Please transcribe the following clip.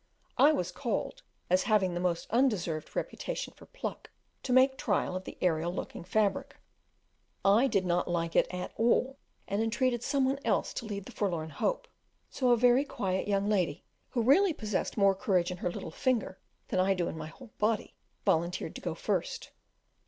I was called, as having a most undeserved reputation for "pluck," to make trial of the aerial looking fabric. I did not like it at all, and entreated some one else to lead the forlorn hope; so a very quiet young lady, who really possessed more courage in her little finger than I do in my whole body, volunteered to go first.